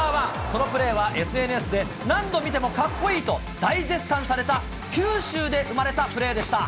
そのプレーはＳＮＳで、何度見てもかっこいいと、大絶賛された九州で生まれたプレーでした。